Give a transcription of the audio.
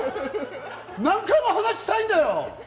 何回も話したいんだよ！